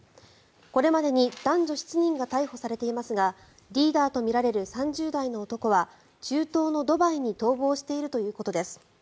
これまでに男女７人が逮捕されていますがリーダーとみられる３０代の男は中東のドバイに逃亡しているということです。